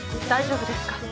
大丈夫ですか？